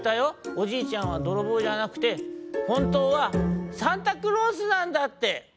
おじいちゃんはどろぼうじゃなくてほんとうはサンタクロースなんだって。